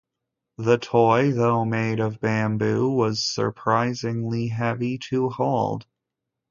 The toy, though made of bamboo, was surprisingly heavy to hold.